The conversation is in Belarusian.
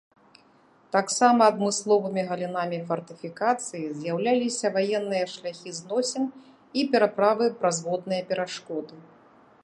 Таксама адмысловымі галінамі фартыфікацыі з'яўляліся ваенныя шляхі зносін і пераправы праз водныя перашкоды.